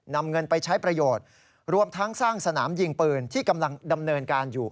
นำเงินไปใช้ประโยชน์รวมทั้งสร้างสนามยิงปืนที่กำลังดำเนินการอยู่